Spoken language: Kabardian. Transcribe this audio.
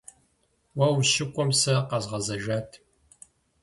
Уэ ущыкӏуэм сэ къэзгъэзэжат.